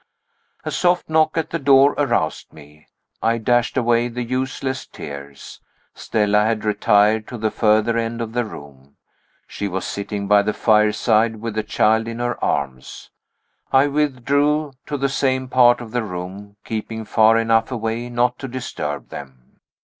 A soft knock at the door aroused me. I dashed away the useless tears. Stella had retired to the further end of the room. She was sitting by the fireside, with the child in her arms. I withdrew to the same part of the room, keeping far enough away not to disturb them.